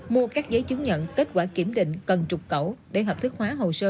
mua các giấy chứng nhận kết quả kiểm định cần trục cẩu để hợp thức hóa hồ sơ